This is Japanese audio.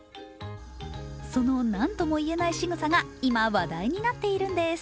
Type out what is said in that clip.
その何とも言えないしぐさが今、話題になっているんです。